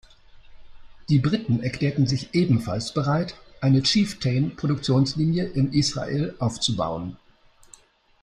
Die Briten erklärten sich ebenfalls bereit, eine Chieftain-Produktionslinie in Israel aufzubauen.